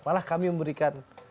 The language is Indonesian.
malah kami memberikan